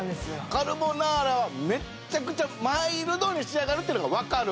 カルボナーラはめっちゃくちゃマイルドに仕上がるっていうのがわかる。